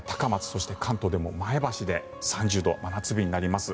そして、関東でも前橋で３０度真夏日になります。